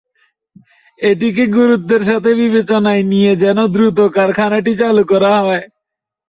এটিকে গুরুত্বের সঙ্গে বিবেচনায় নিয়ে যেন দ্রুত কারখানাটি চালু করা হয়।